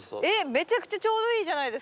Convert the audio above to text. めちゃくちゃちょうどいいじゃないですか。